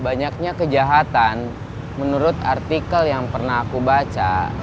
banyaknya kejahatan menurut artikel yang pernah aku baca